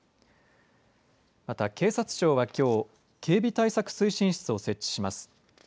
また警察庁はきょう警備対策推進室を設置します。